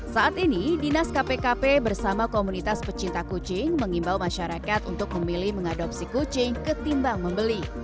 saat ini dinas kpkp bersama komunitas pecinta kucing mengimbau masyarakat untuk memilih mengadopsi kucing ketimbang membeli